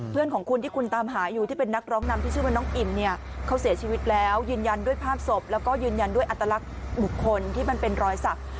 เพื่อนของคุณที่คุณตามหาอยู่ที่เป็นนักร้องนำที่ชื่อว่าน้องอิ่มเนี่ยเขาเสียชีวิตแล้วยืนยันด้วยภาพศพแล้วก็ยืนยันด้วยอัตลักษณ์บุคคลที่มันเป็นรอยสัก